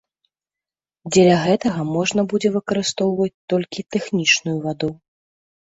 Дзеля гэтага можна будзе выкарыстоўваць толькі тэхнічную ваду.